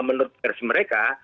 menurut pers mereka